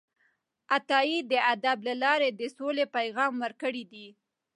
عطايي د ادب له لارې د سولې پیغام ورکړی دی